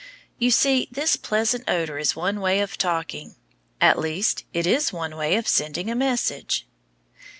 You see, this pleasant odor is one way of talking; at least it is one way of sending a message.